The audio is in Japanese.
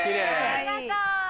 ありがとう。